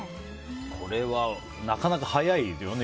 これは、なかなか早いですよね。